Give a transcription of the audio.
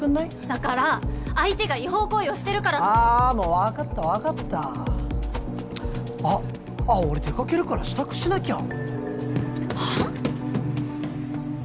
だから相手が違法行為をしてるからってああもう分かった分かったあっあっ俺出かけるから支度しなきゃはあ？